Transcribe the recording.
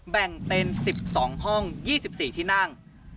แบ่งเป็น๑๒ห้อง๒๔ที่นั่ง